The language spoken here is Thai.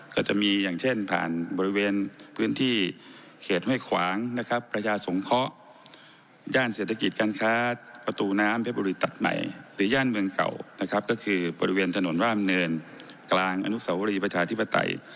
ก็จะมีอย่างเช่นผ่านบริเวณพื้นที่เขตไว้ขวางนะครับประชาสกข้อย่างเศรษฐกิจการค้าประตูน้ำพระบอริตรัฐใหม่